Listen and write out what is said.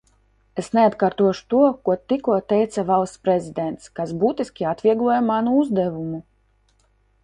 Es neatkārtošu to, ko tikko teica Valsts prezidents, kas būtiski atviegloja manu uzdevumu.